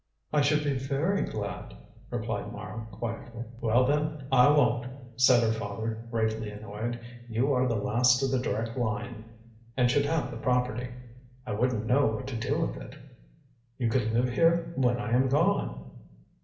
"I should be very glad," replied Mara quietly. "Well, then, I won't," said her father, greatly annoyed. "You are the last of the direct line and should have the property." "I wouldn't know what to do with it." "You could live here when I am gone."